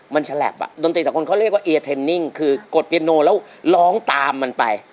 มันฉลับอ่ะดนตรีสองคนเขาเรียกว่าเอียเทนนิ่งคือกดเปียโนแล้วร้องตามมันไป